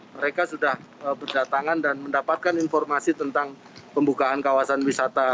mereka sudah berdatangan dan mendapatkan informasi tentang pembukaan kawasan wisata